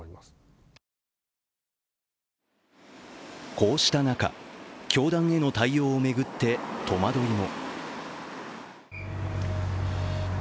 こうした中、教団への対応を巡って戸惑いも。